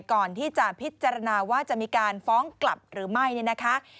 ก่อนที่จะพิจารณาว่าจะมีการฟ้องกลับหรือไม่เนี่ยนะคะ